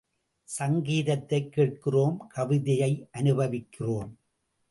சங்கீதத்தைக் கேட்கிறோம், கவிதையை அனுபவிக்கிறோம்.